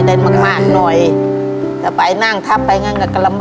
ทับผลไม้เยอะเห็นยายบ่นบอกว่าเป็นยังไงครับ